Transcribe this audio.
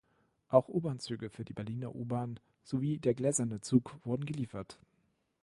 Auch U-Bahn-Züge für die Berliner U-Bahn sowie der Gläserne Zug wurden geliefert.